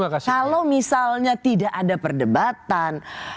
kalau misalnya tidak ada perdebatan